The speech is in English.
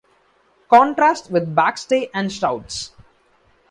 Contrast with backstay and shrouds.